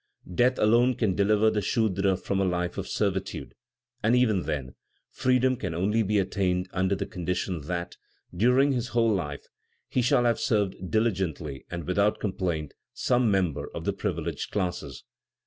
Death alone can deliver the Sudra from a life of servitude; and even then, freedom can only be attained under the condition that, during his whole life, he shall have served diligently and without complaint some member of the privileged classes.